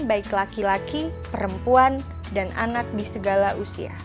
baik laki laki perempuan dan anak di segala usia